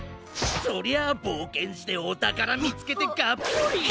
そりゃあぼうけんしておたからみつけてがっぽり。